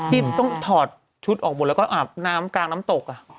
ที่ต้องถอดชุดออกหมดแล้วก็อาบน้ำกลางน้ำตก